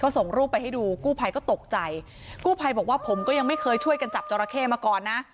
ส่งรูปไปให้ดูกู้ภัยก็ตกใจกู้ภัยบอกว่าผมก็ยังไม่เคยช่วยกันจับจอราเข้มาก่อนนะ